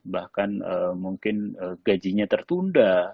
bahkan mungkin gajinya tertunda